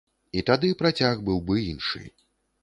І тады працяг быў бы іншы!